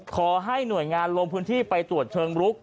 ขอให้หน่วยงานลงพื้นที่ไปตรวจเชิงรุก